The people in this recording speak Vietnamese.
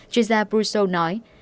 chuyên gia brousseau nói